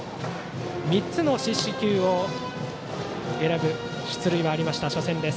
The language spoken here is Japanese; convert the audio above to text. ３つの四死球を選ぶ出塁があった、初戦。